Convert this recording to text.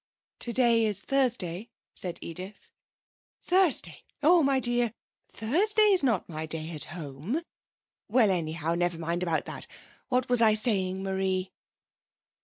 'Today is Thursday,' said Edith. 'Thursday! Oh, my dear. Thursday's not my day at home. Well, anyhow, never mind about that. What was I saying, Marie?'